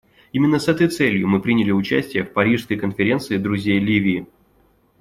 Именно с этой целью мы приняли участие в парижской конференции друзей Ливии.